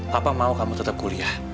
papa mau kamu tetap kuliah